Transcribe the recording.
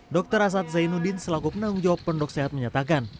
dr asad zainuddin selaku penanggung jawab pendok sehat menyatakan